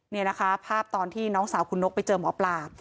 นี่นะคะภาพตอนที่น้องสาวคุณนกไปเจอหมอปลา